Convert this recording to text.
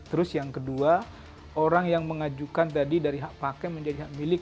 terus yang kedua orang yang mengajukan tadi dari hak pakai menjadi hak milik